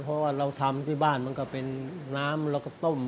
เพราะว่าเราทำที่บ้านมันก็เป็นน้ำแล้วก็ต้ม